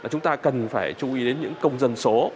chúng ta cần phải chú ý đến những công dân số